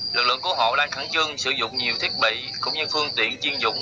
lực lượng cứu hộ đang khẩn trương sử dụng nhiều thiết bị cũng như phương tiện chiên dụng